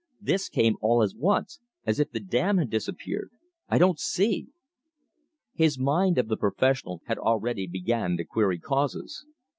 This came all at once, as if the dam had disappeared. I don't see." His mind of the professional had already began to query causes.